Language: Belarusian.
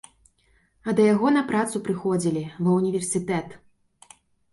А да яго на працу прыходзілі, ва ўніверсітэт.